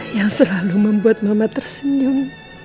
yang selalu membuat mama tersenyum